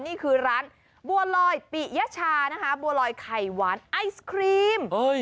นี่คือร้านบัวลอยปิยชานะคะบัวลอยไข่หวานไอศครีม